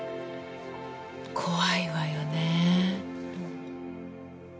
怖いわよねぇ。